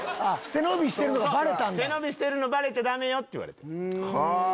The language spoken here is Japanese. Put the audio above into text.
背伸びしてるのバレちゃダメよ！って言われてん。